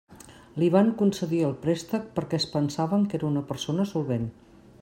Li van concedir el préstec perquè es pensaven que era una persona solvent.